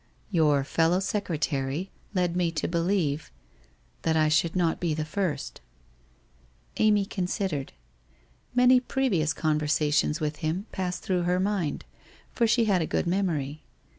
' Your fellow secretary led me to believe — that I should not be the first. ...' Amy considered. Many previous conversations with him passed through her mind, for she had a good memory.